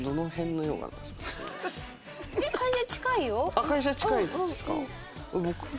あっ会社近いですか。